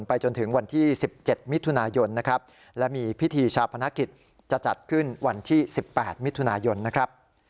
ไปจนถึงวันที่๑๗มิถุนายนนะครับและมีพิธีชาพนักกิจจะจัดขึ้นวันที่๑๘มิถุนายนนะครับ